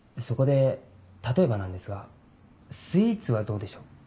そこで例えばなんですがスイーツはどうでしょう？